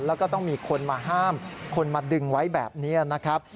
แล้วก็ต้องมีคนมาห้ามคนมาดึงไว้แบบนี้นะครับ